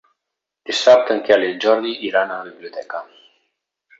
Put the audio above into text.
Dissabte en Quel i en Jordi iran a la biblioteca.